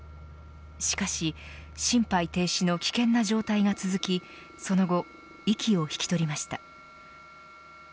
しかし心肺停止の危険な状態が続きその後、息を引き取りました。